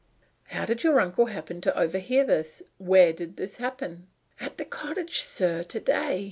"How did your uncle happen to overhear this? Where did it happen?" "At the cottage, sir, to day.